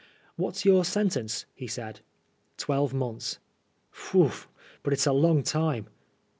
" What's your sentence ?" he said. " Twelve months." " Whew ! but it's a long time."